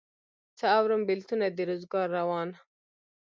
څه اورم بېلتونه د روزګار روان